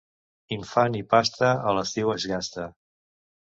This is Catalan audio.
Infant i pasta a l'estiu es gasta.